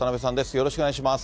よろしくお願いします。